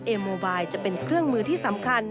โมบายจะเป็นเครื่องมือที่สำคัญ